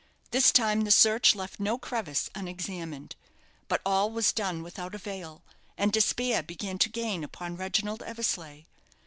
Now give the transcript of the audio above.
This time the search left no crevice unexamined. But all was done without avail; and despair began to gain upon Reginald Eversleigh.